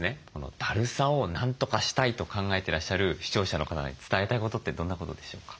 だるさをなんとかしたいと考えてらっしゃる視聴者の方に伝えたいことってどんなことでしょうか？